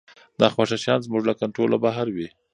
ناخوښه شیان زموږ له کنټروله بهر وي.